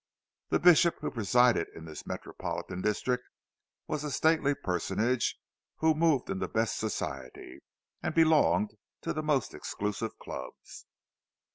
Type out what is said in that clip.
The bishop who presided in this metropolitan district was a stately personage, who moved in the best Society and belonged to the most exclusive clubs.